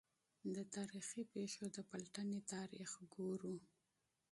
د تا ریخي پېښو د پلټني تاریخ ګورو.